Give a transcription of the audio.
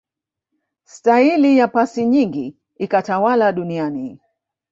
staili ya pasi nyingi ikatawala duniani